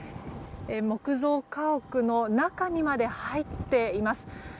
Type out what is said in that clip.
木造家屋の中にまで入っています。